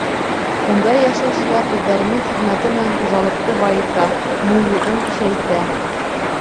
Унда йәшәүселәр үҙҙәренең хеҙмәте менән хужалыҡты байыта, муллығын ишәйтә.